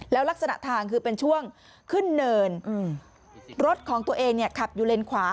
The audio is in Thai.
แล้วลักษณะทางคือเป็นช่วงขึ้นเนินรถของตัวเองเนี่ยขับอยู่เลนขวา